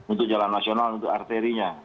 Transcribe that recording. untuk jalan nasional untuk arterinya